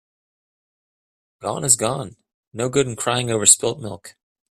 Gone is gone. No good in crying over spilt milk.